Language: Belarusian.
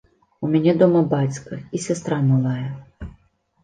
У мяне дома бацька і сястра малая.